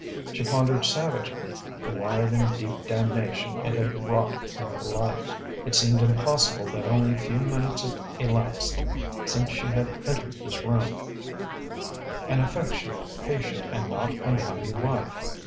She pondered savagely the wide and deep damnation it had wrought in her life. It seemed impossible that only a few minutes had elapsed since she had entered this room, an affectionate, patient, and not unhappy wife.